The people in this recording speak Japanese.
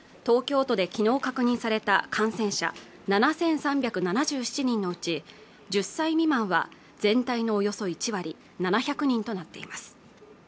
東京都できのう確認された感染者７３７７人のうち１０歳未満は全体のおよそ１割７００人となっています